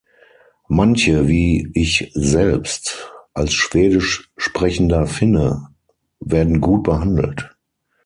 Manche, wie ich selbst, als schwedisch sprechender Finne, werden gut behandelt.